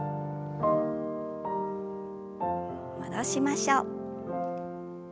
戻しましょう。